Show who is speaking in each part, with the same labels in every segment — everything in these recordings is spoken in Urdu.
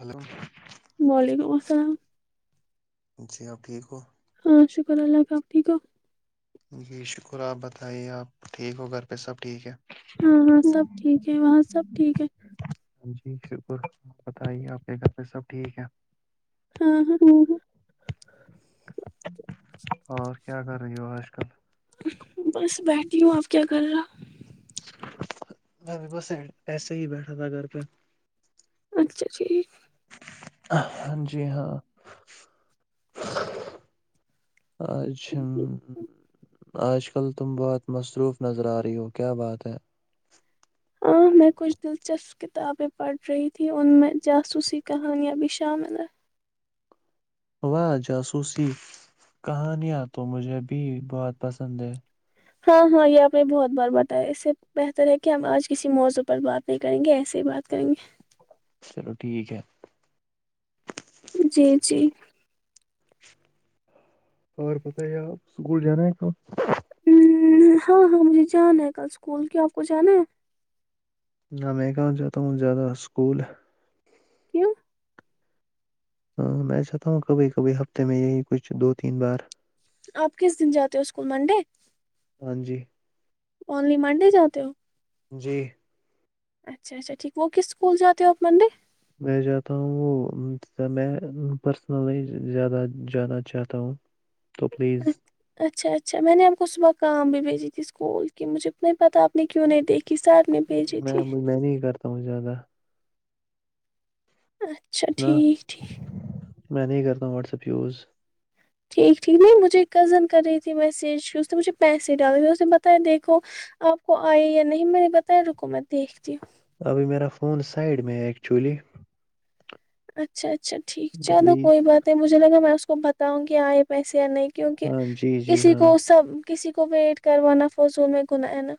Speaker 1: ہلو [unintelligible]
Speaker 2: وعلیکم السلام
Speaker 1: جی آپ ٹھیک ہو
Speaker 2: ہاں شکر اللہ کا اپ ٹھیک ہو
Speaker 1: جی شکر آپ بتائیے آپ ٹھیک ہو گھر پہ سب ٹھیک ہے
Speaker 2: ہاں ہاں سب ٹھیک ہے وہاں سب ٹھیک ہے
Speaker 1: جی شکر بتائیے آپ کے گھر پہ سب ٹھیک ہے
Speaker 2: ہاں ہاں
Speaker 1: اور کیا کر رہی ہو آج کل
Speaker 2: بس بیٹھی ہوں آپ کیا کر رہے ہو
Speaker 1: ابھی بس ایسے ہی بیٹھا تھا گھر پہ
Speaker 2: اچھا جٹییک
Speaker 1: ہاں جی ہاں آج ہم آج کل تم بہت مصروف نظر آ رہی ہو کیا بات ہے
Speaker 2: ہاں میں کچھ دلچسپ کتابیں پڑھ رہی تھیں ان میں جاسوسی کہانیاں بھی شامل ہیں
Speaker 1: واہ جاسوسی کہانیاں تو مجھے بھی بہت پسند ہے
Speaker 2: ہاں ہاں یہ آپ نے بہت بار بتایا اس سے بہتر ہے کہ ہم آج کسی موضوع پر بات نہیں کریں گے ایسے ہی بات کریں گے
Speaker 1: تو ٹھیک ہے
Speaker 2: جی جی
Speaker 1: اور پتہ ہے آپ اسکول جانا ہے کہاں
Speaker 2: ہو ہاں ہاں مجھے جانا ہے کل اسکول کیا آپ کو جانا ہے
Speaker 1: نہ میں کہاں جاتا ہوں زیادہ اسکول
Speaker 2: کیوں
Speaker 1: ہاں میں چاہتا ہوں کبھی کبھی ہفتے میں یہی کچھ دو تین بار
Speaker 2: آپ کس دن جاتے ہو اسکول منڈے
Speaker 1: ہاں جی
Speaker 2: اونلی منڈے جاتے ہو
Speaker 1: جی
Speaker 2: اچھا اچھا ٹھیک وہ کس اسکول جاتے ہو آپ منڈے
Speaker 1: میں جاتا ہوں وہ میں پرسنلی زیادہ جانا چاہتا ہوں تو پلیز
Speaker 2: اچھا اچھا میں نے آپ کو صبح کام بھیجی تھی اسکول کہ مجھے تو نہیں پتہ اپ میں کیوں نہیں دیکھی سار نے بھیجی تھی
Speaker 1: تاوں زیادہ
Speaker 2: اچھا
Speaker 1: نہ
Speaker 2: ٹھیک ٹھیک
Speaker 1: میں نہیں کرتا ہوں واٹسپ یوز
Speaker 2: ٹھیک ٹھیک نہیں مجھے ایک کزن کر رہی تھی میسج اس نے مجھے پیسے ڈالے اس نے بتایا دیکھو آپ کو آئے یا نہیں میں نے بتایا رکو میں دیکھتی ہوں
Speaker 1: ابھی میرا فون سائڈ میں ہے ایکچولی
Speaker 2: اچھا اچ اچھا ٹھیک
Speaker 1: تو
Speaker 2: چلو
Speaker 1: پلیز
Speaker 2: کوئی بات نہیں مجھے لگا میں اس کو بتاؤں گی آئے پیسے نہیں کیونکہ
Speaker 1: ہاں جی جی
Speaker 2: کسی
Speaker 1: ہاں
Speaker 2: کو سب کسی کو ویٹ کروانا فوضو میں گنا ہے نا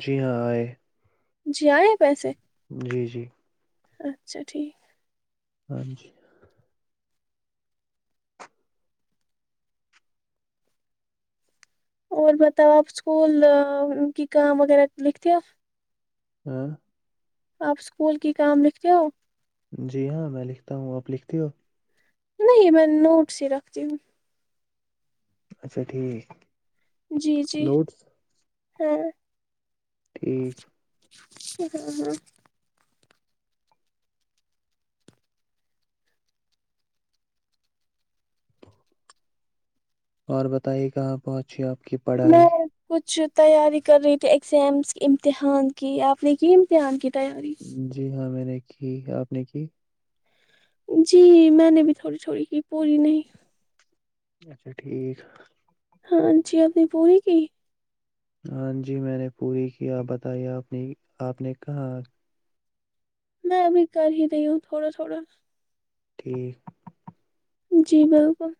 Speaker 1: جی ہاں آئے
Speaker 2: جی آئے پیسے
Speaker 1: جی جی
Speaker 2: اچھا ٹھیک
Speaker 1: تھینکیو
Speaker 2: اور بتاؤ آپ اسکول کی کام وغیرہ لکھتے ہو آ
Speaker 1: ہاں
Speaker 2: آپ اسکول کی کام لکھتے ہو
Speaker 1: جی ہاں میں لکھتا ہوں اب لکھتی ہو
Speaker 2: نہیں میں نوٹس ہی رکھتی ہوں
Speaker 1: اچھا ٹھیک
Speaker 2: جی جی
Speaker 1: نوٹس
Speaker 2: ہاں
Speaker 1: ٹھیک ہے
Speaker 2: ہ ہاں
Speaker 1: اور بتائیے کہاں پہنچی آپ کی پڑھائی
Speaker 2: میں کچھ تیاری کر رہی تھی ایگزامس کے امتحان کی آپ نے کی امتحان کی تیاری
Speaker 1: جی ہاں میں نے جی آپ نے کی
Speaker 2: جی میں نے بھی تھوڑی تھھوڑی کی پوری نہیں
Speaker 1: اچھا ٹھیک
Speaker 2: ہاں جی اپنی پوری کی
Speaker 1: ہان جی میں نے پوری کیا بتائی آپ نے کہاں
Speaker 2: میں ابھی کر ہی رہی ہوں تھوڑا تھوڑا
Speaker 1: ٹھیک
Speaker 2: جی بالکل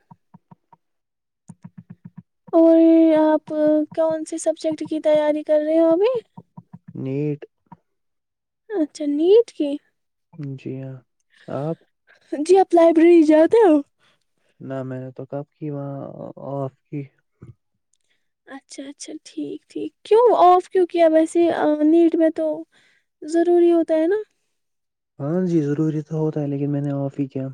Speaker 2: اور آپ کون سے سبجیکٹ کی تیاری کر رہے ہو ابھی
Speaker 1: نیٹ
Speaker 2: اچھا نٹ کی
Speaker 1: جی ہاں آ
Speaker 2: جی آپ لائبریری جاؤد ہو
Speaker 1: نہ میں نے تو کب کی وہاں آف کی
Speaker 2: اچھا اچھا ٹھیک ٹھیک کیوں آف کیوں کیا ویسے نیٹ میں تو ضروری ہوتا ہے نا
Speaker 1: ہاں جی ضروری تو ہوتا ہے لیکن میں نے آف ہی کیا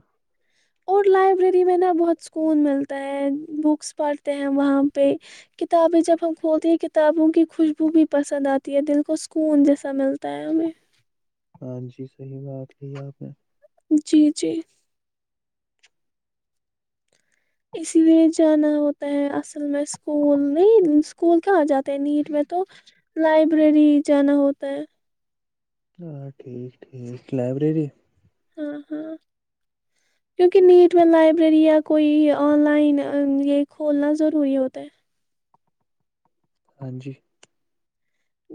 Speaker 2: اور لائبریری میں نا بہت سکون ملتا ہے بکس پڑھتے ہیں وہاں پہ کتابیں جب ہم کھولتے ہیں کتابوں کی خوشبو بھی پسند آتی ہے دل کو سکون جیسا ملتا ہے ہمیں
Speaker 1: ہاں جی صحیح بات رہ آپ نے
Speaker 2: جی جی اسی لیے جانا ہوتا ہے اصل میں اسکول نہیں اسکول کیا آ جاتے ہیں نیٹ میں تو لائبریری جانا ہوتا ہے
Speaker 1: ہاں ٹھیک ٹھیک لائبریری
Speaker 2: ہاں ہاں کیونکہ نیٹ میں لائبریری یا کوئی آن لائن یہ کھولنا ضروری ہوتا ہے [unintelligible]
Speaker 1: ہاں جی [unintelligible]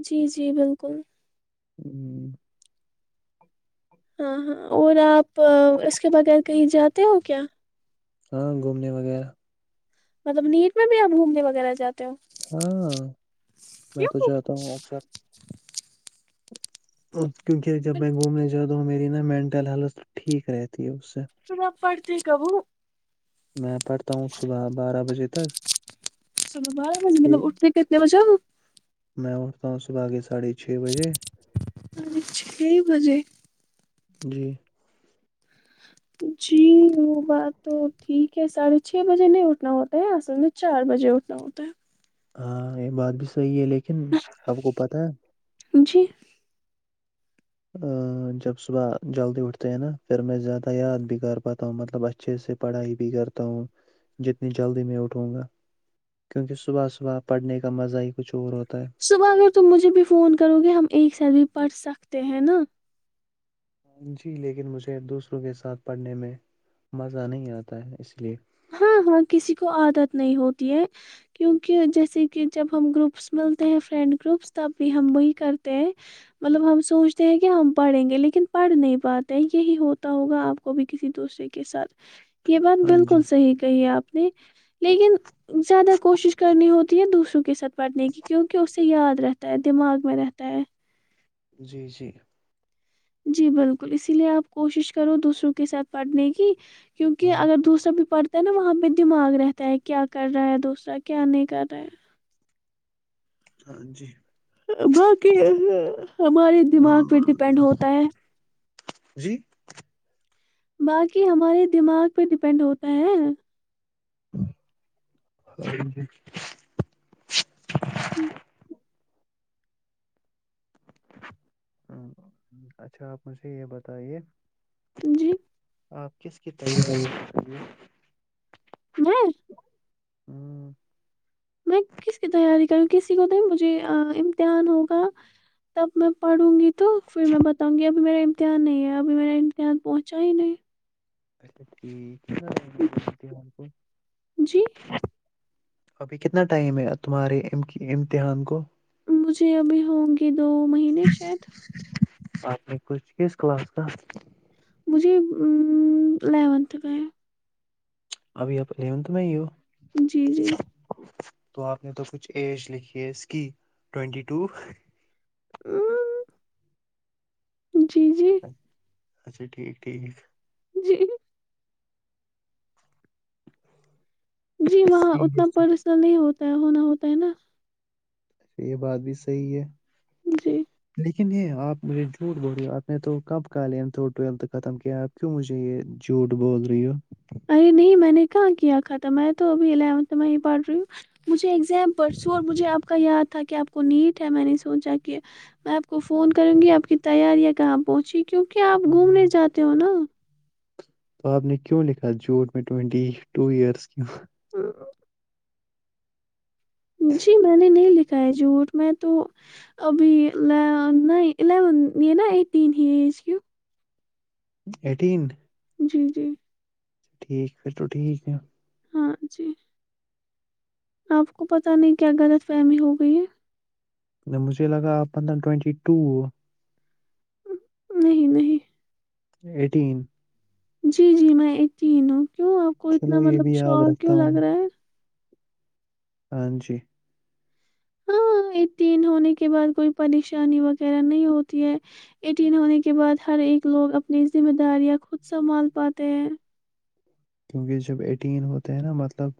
Speaker 2: جی جی بالکل [unintelligible]
Speaker 1: ہوں [unintelligible]
Speaker 2: ہاں ہاں اور آپ اس کے بغیر کہیں جاتے ہو کیا
Speaker 1: ہاں گھومنے وغیرہ [unintelligible]
Speaker 2: مطلب نیٹ میں بھی آپ گھومنے وغیرہ جاتے ہو
Speaker 1: ہاں میں تو جاتا ہوں اکثر [unintelligible] ہ [unintelligible] کیونکہ جب میں گھومنے جا [unintelligible] میری نا مینٹل ہیلتھ ٹھیک رہتی ہے اس [unintelligible]
Speaker 2: سناپ پڑتے گ وہو
Speaker 1: میں پڑھتا ہوں صبح بارہ بجے تک
Speaker 2: چلو بارہ بجے
Speaker 1: پھر
Speaker 2: مطلب اٹھتے کتنے بجے ہو [unintelligible]
Speaker 1: میں اٹھتا ہوں صبح کے ساڑھے چھ بجے [unintelligible]
Speaker 2: سال چھ بجے [unintelligible]
Speaker 1: جی [unintelligible]
Speaker 2: جی وہ بات تو ٹھیک ہے ساڑھے چھ بجے نہیں اٹھنا ہوتا ہے آصل میں چار بجے اٹھنا ہوتا ہے
Speaker 1: ہاں یہ بات بھی صحیح ہے لیکن لیکن آپ کو پتا ہے [unintelligible]
Speaker 2: جی [unintelligible]
Speaker 1: ا جب صبح جلدی اٹھتے ہیں نا پھر میں زیادہ یاد بھی کر پاتا ہوں مطلب اچھے سے پڑھائی بھی کرتا ہوں جتنی جلدی میں اٹھوں گا کیونکہ صبح صبح پڑھنے کا مزہ ہی کچھ اور ہوتا ہے
Speaker 2: صبح اگر تم مجھے بھی فون کرو گے ہم ایک ساتھ بھی پڑھ سکتے ہیں نا [unintelligible]
Speaker 1: جی لیکن مجھے دوسروں کے ساتھ پڑھنے میں مزہ نہیں آتا ہے اس لیے
Speaker 2: ہاں ہاں کسی کو عادت نہیں ہوتی ہے کیونکہ جیسے کہ جب ہم گروپس ملتے ہیں فرینڈ گروپس تب بھی ہم وہی کرتے ہیں مطلب ہم سوچتے ہیں کہ ہم پڑھیں گے لیکن پڑھ نہیں پاتے یہی ہوتا ہوگا آپ کو بھی کسی دوسرے کے ساتھ یہ بند بالکل
Speaker 1: ہاں
Speaker 2: [unintelligible]
Speaker 1: جی
Speaker 2: بالکل صحیح کہیے آپ [unintelligible] ج [unintelligible] لیکن زیادہ کوشش کرنی ہوتی ہے دوسری کے ساتھ پڑھنے کی کیونکہ اسے یاد رہتا ہے دماغ میں رہتا ہے
Speaker 1: جی جی [unintelligible]
Speaker 2: جی بالکل اسی لیے آپ کوشش کرو دوسروں کے ساتھ پڑھنے کی کیونکہ
Speaker 1: ہاں
Speaker 2: اگر دوسرا بھی پڑھ [unintelligible] نا وہاں پہ دماغ رہتا ہے کیا کر رہا ہے دوسرا کیا نہیں کر رہا ہے [unintelligible]
Speaker 1: ہاں جی [unintelligible]
Speaker 2: باقی ہمارے دماغ پہ ڈیپینڈ ہوتا ہے
Speaker 1: جی
Speaker 2: باقی ہمارے دماغ پہ ڈیپینڈ ہوتا ہے
Speaker 1: ہ جی [unintelligible]
Speaker 2: ٹھیک
Speaker 1: ہ اچھا آپ مجھے یہ بتائیے
Speaker 2: جی
Speaker 1: آپ کس کی ط ہیں
Speaker 2: جی
Speaker 1: ہوں
Speaker 2: میں کس کی تیاری کروں کسی کو تو مجھے امتحان ہوگا تب میں پڑھوں گی تو پھر میں بتاؤں گی اب ابھی میرا امتحان نہیں ہے ابھی میرا امتحان پہنچا ہی نہیں
Speaker 1: اچھا ٹھیک کیا کو
Speaker 2: جی
Speaker 1: ابھی کتنا ٹائم ہے تمہارے امتحان کو
Speaker 2: مجھے ابھی ہوں گے دو مہینے شاید
Speaker 1: نہیں کچھ کس کلاس کا
Speaker 2: مجھے ا اونتھ میں
Speaker 1: ابھی اپ الیونتھ میں ہی ہو
Speaker 2: جی جی
Speaker 1: تو آپ نے تو کچھ ایج لکھی ہے اس کی ٹوینٹی ٹو
Speaker 2: ا [inaudible] جی جی
Speaker 1: اچھا ٹھیک ٹھیک
Speaker 2: جی جی وہاں
Speaker 1: ٹھیک
Speaker 2: اتنا پرسن نہیں ہوتا ت ہونا ہوتا ہے نا
Speaker 1: اچھا یہ بات بھی صحیح ہے
Speaker 2: جی
Speaker 1: لیکن یہ آپجے جھو بول رہی ہو آپ نے تو کب کاھ ٹو ختم کیا آپ کیوں مجھے یہ جھٹ بول رہی ہو
Speaker 2: ارے نہیں میں نے کہ کیا ختم ہے تو ابھی الیونتھ میں ہی پڑھ رہی ہوں مجھے سیم پرسوں اور مجھے آپ کا یاد تھا کہ آپ کو نیٹ ہے میں نے سوچا کہ میں آپ کو فون کروں گی آپ کی تیاریاں کہاں پہنچی کیونکہ آپ گھومنے
Speaker 1: ہم،
Speaker 2: جاتے ہو نا
Speaker 1: تو آپ نے کیوں لکھا جھوٹ میں ٹئونٹی ٹو ایئرس کیوں
Speaker 2: [inaudible] جی میں نے نہیں لکھا ہے جھوٹ میں تو ابھی الیون یہ نا ایٹین ہی ایج کیوں
Speaker 1: ایٹین
Speaker 2: جی جی
Speaker 1: ٹھیک پھر تو ٹھیک ہے
Speaker 2: ہاں جی آپ کو پتہ نہیں کیا غلط فہمی ہو گئی ہے
Speaker 1: مجھے لگاپ پندہ ٹوینٹی ٹو
Speaker 2: نہیں نہیں
Speaker 1: ایٹین
Speaker 2: جی جی میں اتی ہی ہوں کیوں آپ کو اتنا
Speaker 1: چلو یہ بھی
Speaker 2: مطلب
Speaker 1: یاد
Speaker 2: شوق
Speaker 1: رکھتا
Speaker 2: کیوں
Speaker 1: ہوں
Speaker 2: لگ
Speaker 1: میں
Speaker 2: رہا ہے
Speaker 1: ہاں جی
Speaker 2: ہاں ایٹین ہونے کے بعد کوئی پریشانی وغیرہ نہیں ہوتی ہے ایٹین ہونے کے بعد ہر ایک لوگ اپنی ذمہ داریاں خود سنبھال پاتے ہیں
Speaker 1: کیونکہ جب ایٹین ہوتے ہیں نا مطلب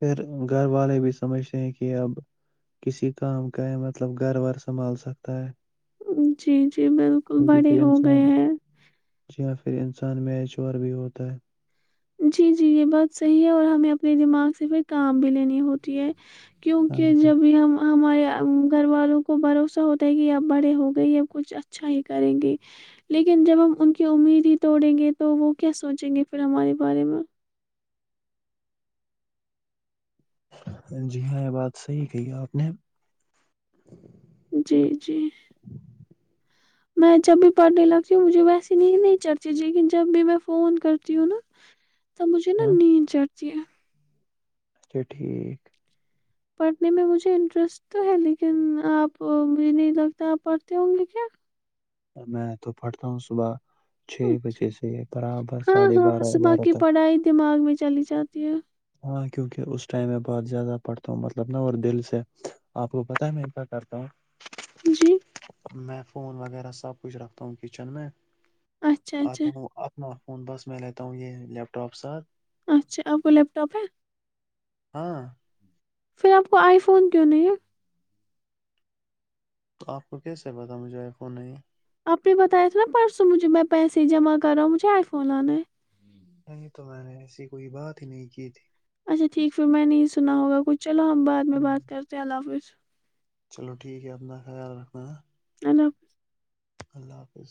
Speaker 1: پھر گھر والے بھی سمجھتے ہیں کہ اب کسی کام کا ہے مطلب گھر وار سنبھال سکتا ہے
Speaker 2: جی جی بالکل
Speaker 1: کیونکہ
Speaker 2: بڑے
Speaker 1: پھر
Speaker 2: ہو گئے
Speaker 1: انسان
Speaker 2: ہیں
Speaker 1: جی ہاں پھر انسان میچ اور ب بھی ہوت تا
Speaker 2: جی جی یہ بات صحیح ہے اور ہمیں اپنے دماغ سے پھر کام بھی لینی ہوتی ہے
Speaker 1: ہاں
Speaker 2: کیونکہ
Speaker 1: جی
Speaker 2: جب بھی ہم ہمارے گھر والوں کو بھروسہ ہوتا ہے کہ اب بڑے ہو گئی اب کچھ اچھا ہی کریں گے لیکن جب ہم ان کی امید ہی توڑیں گے تو وہ کیا سوچیں گے پھر ہمارے بارے میں
Speaker 1: جی ہاں یہ بات صحیح کہی آپ نے
Speaker 2: جی جی میں جب بھی پڑھنے لگتی ہوں مجھے ویسی ند نہیں چڑھتی لیکن جب بھی میں فون کرتی ہوں نا تو مجھے نا
Speaker 1: ہاں
Speaker 2: نیچ [inaudible]
Speaker 1: اچھا ٹھیک
Speaker 2: پڑھنے میں مجھے انٹرسٹ تو ہے لیکن آپ مجھے نہیں لگتا آپ پڑھتے ہوں گے کیا
Speaker 1: میں تو پڑتا ہوں صبح چھ بجے سے برابر
Speaker 2: ہاں
Speaker 1: ساڑھے
Speaker 2: ہاں
Speaker 1: بارہ
Speaker 2: صبح
Speaker 1: بارہ
Speaker 2: کی
Speaker 1: تک
Speaker 2: پڑھائی دماغ چلی جاتی ہے
Speaker 1: ہاں کیوںکہ اس ٹائم میں بہت زیادہ پڑھتا ہوں مطلب ن اور دل سے آپ کو پتہ ہے میں کیا کرتا ہوں
Speaker 2: جی
Speaker 1: میں فون وغیرہ سب کچھ رکھتا ہوں کچن میں
Speaker 2: اچھا اچھا
Speaker 1: آپ اپنا فون بس میں لیتا ہوں یہ لیپٹاپ ساتھ
Speaker 2: اچھا آپ کو لیپ ٹاپ ہے
Speaker 1: ہاں
Speaker 2: پھر آپ کو آئی فون کیوں نہیں ہے
Speaker 1: تو آپ کو کیسے پتا مجھے ای خون نہیں
Speaker 2: آپ نے بتایا تھ نا پرس مجھے میں پیسے جمع کر رہا ہوں مجھے آئی فون لانا ہے
Speaker 1: نہیں تو میں نے ایسی کوئی بات ہی نہیں کی تھی
Speaker 2: اچھا ٹھیک پھر میں نہیں سنا ہوگا کچھ چلو ہم بعد میں بات کرتے ہیں اللہ حافظ
Speaker 1: چلو ٹھیک ہے اپنا خیال رکھنا ہے
Speaker 2: اللہ حافظ
Speaker 1: اللہ حافظ